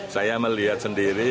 saya melihat sendiri